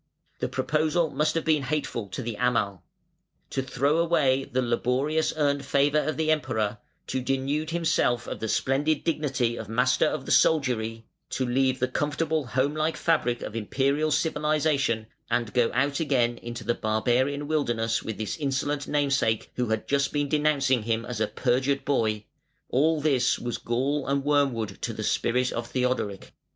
The proposal must have been hateful to the Amal. To throw away the laboriously earned favour of the Emperor, to denude himself of the splendid dignity of Master of the Soldiery, to leave the comfortable home like fabric of Imperial civilisation and go out again into the barbarian wilderness with this insolent namesake who had just been denouncing him as a perjured boy: all this was gall and wormwood to the spirit of Theodoric.